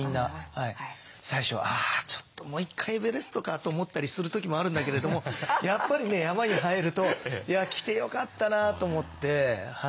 最初は「あちょっともう１回エベレストか」と思ったりする時もあるんだけれどもやっぱりね山に入ると「いや来てよかったな」と思って。